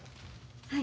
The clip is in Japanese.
はい。